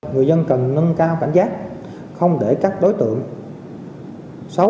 người dân cần nâng cao cảnh giác không để các đối tượng xấu